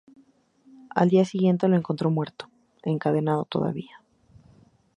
Al siguiente día lo encontró muerto, encadenado todavía.